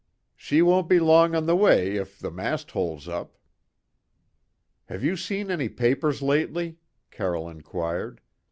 "She won't be long on the way if the mast holds up." "Have you seen any papers lately?" Carroll inquired.